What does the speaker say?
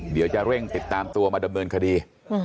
เดี๋ยวจะเร่งติดตามตัวมาดำเนินคดี